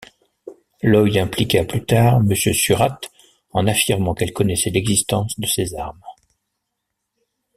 Lloyd impliqua plus tard Mrs Surratt en affirmant qu'elle connaissait l'existence de ces armes.